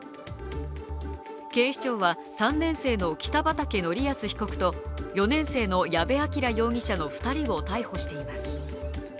警視庁は３年生の北畠成文被告と４年生の矢部鑑羅容疑者の２人を逮捕しています